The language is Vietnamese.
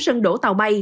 bốn sân đổ tàu bay